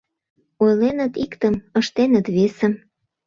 Ойленыт — иктым, ыштеныт — весым.